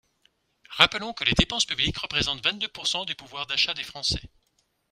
Rappelons que les dépenses publiques représentent vingt-deux pourcent du pouvoir d’achat des Français.